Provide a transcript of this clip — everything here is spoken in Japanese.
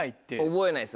覚えないです